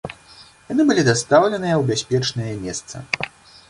Яны былі дастаўленыя ў бяспечнае месца.